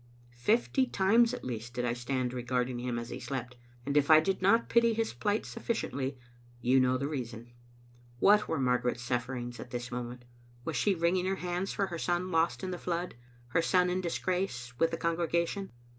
Fifty times at least did I stand regarding him as he slept ; and if I did not pity his plight sufficiently, you know the reason. What were Margaret's sufferings at this moment? Was she wringing her hands for her son lost in the flood, her son in disgrace with the congregation?